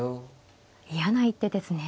嫌な一手ですね。